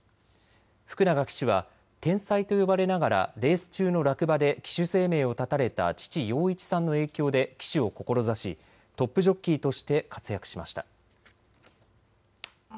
福永騎手は天才と呼ばれながらレース中の落馬で騎手生命を絶たれた父、洋一さんの影響で騎手を志しトップジョッキーとして活躍しました。